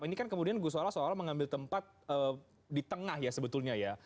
ini kan kemudian gusola soal mengambil tempat di tengah ya sebetulnya ya